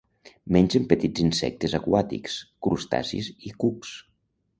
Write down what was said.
Mengen petits insectes aquàtics, crustacis i cucs.